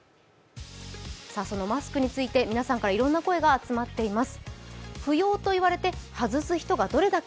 そのマスクについて皆さんからいろんな声が集まっています。